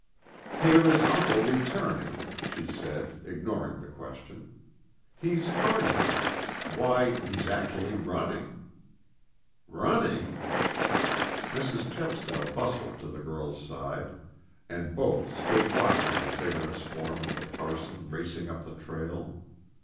"Here is uncle returning," she said, ignoring the question. "He's hurrying. Why he's actually running!" "Running?" Mrs. Chepstow bustled to the girl's side, and both stood watching the vigorous form of the parson racing up the trail.